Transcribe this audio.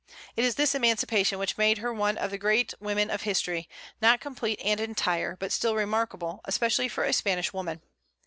It is this emancipation which made her one of the great women of history, not complete and entire, but still remarkable, especially for a Spanish woman.